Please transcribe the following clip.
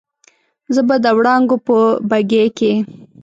زه به د وړانګو په بګۍ کې